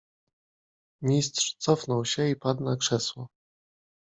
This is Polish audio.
"Mistrz cofnął się i padł na krzesło."